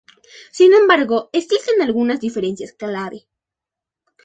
Sin embargo, existen algunas diferencias clave.